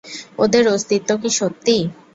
ওদের অস্তিত্ব কি সত্যি?